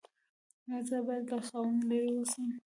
ایا زه باید له خاوند لرې اوسم؟